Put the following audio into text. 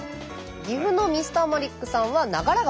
岐阜のＭｒ．マリックさんは長良川。